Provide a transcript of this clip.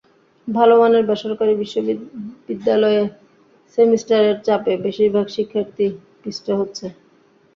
ভালো মানের বেসরকারি বিশ্ববিদ্যালয়ে সেমিস্টারের চাপে বেশির ভাগ শিক্ষার্থী পিষ্ট হচ্ছে।